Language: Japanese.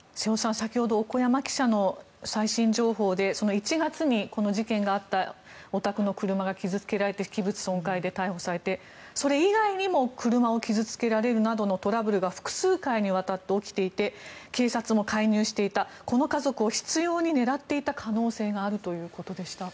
先ほど小古山記者の最新情報で１月にこの事件があったお宅の車が傷付けられて器物損壊で逮捕されてそれ以外にも車を傷付けられるなどのトラブルが複数回にわたって起きていて警察も介入していたこの家族を執ように狙っていた可能性があるということでした。